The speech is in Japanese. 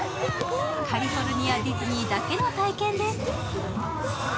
カリフォルニア・ディズニーだけの体験です。